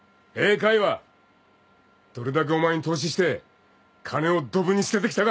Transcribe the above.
どれだけお前に投資して金をどぶに捨ててきたか。